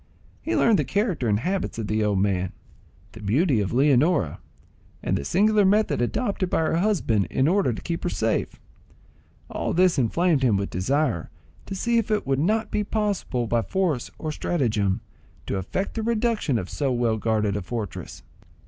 He learned the character and habits of the old man, the beauty of Leonora, and the singular method adopted by her husband in order to keep her safe. All this inflamed him with desire to see if it would not be possible, by force or stratagem, to effect the reduction of so well guarded a fortress.